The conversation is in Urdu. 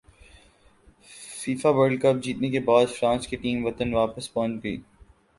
فیفاورلڈکپ جیتنے کے بعد فرانس کی ٹیم وطن واپس پہنچ گئی